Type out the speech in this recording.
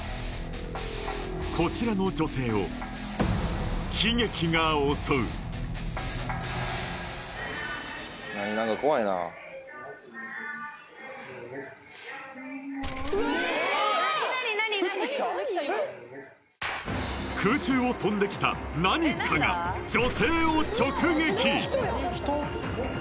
こちらの女性を悲劇が襲う空中を飛んできた何かが女性を直撃！